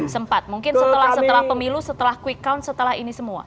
sempat mungkin setelah pemilu setelah quick count setelah ini semua